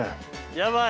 やばい！